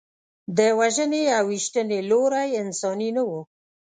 د وژنې او ویشتنې لوری انساني نه و.